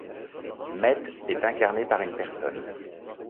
Met est incarné par une personne.